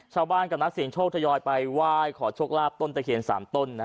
ชาวบ้านกับนักเสียงโชคทยอยไปไหว้ขอโชคลาภต้นตะเคียน๓ต้น